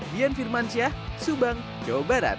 dian firmansyah subang jawa barat